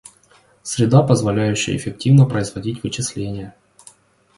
Среда позволяющая эффективно производить вычисления